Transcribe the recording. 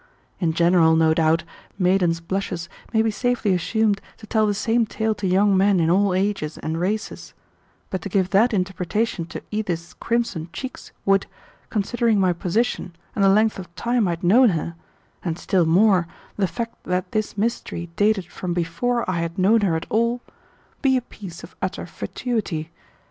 In general, no doubt, maidens' blushes may be safely assumed to tell the same tale to young men in all ages and races, but to give that interpretation to Edith's crimson cheeks would, considering my position and the length of time I had known her, and still more the fact that this mystery dated from before I had known her at all, be a piece of utter fatuity.